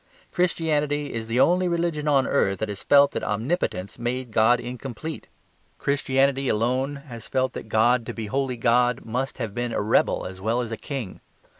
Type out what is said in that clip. Christianity is the only religion on earth that has felt that omnipotence made God incomplete. Christianity alone has felt that God, to be wholly God, must have been a rebel as well as a king.